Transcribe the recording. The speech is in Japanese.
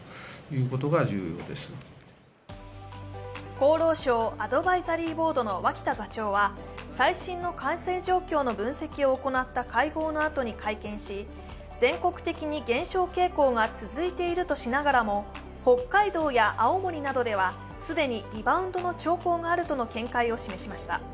厚労省アドバイザリーボードの脇田座長は、最新の感染状況の分析を行った会合のあとに会見し、全国的に減少傾向が続いているとしながらも、北海道や青森などでは既にリバウンドの兆候があるとの見解を示しました。